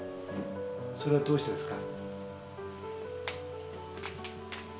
それはどうしてですか？